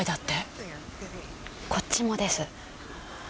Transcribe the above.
こっちもです。